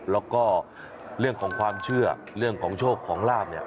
แล้วก็เรื่องของความเชื่อเรื่องของโชคของลาบเนี่ย